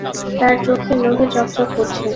তার চোখে লোভে চক চক করছে।